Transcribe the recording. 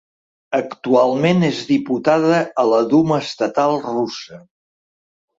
Actualment és diputada a la Duma Estatal russa.